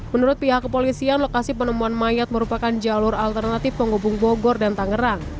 menurut pihak kepolisian lokasi penemuan mayat merupakan jalur alternatif penghubung bogor dan tangerang